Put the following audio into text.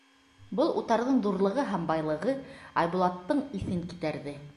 Был утарҙың ҙурлығы һәм байлығы Айбулаттың иҫен китәрҙе.